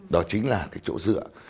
đó chính là cái chỗ dựa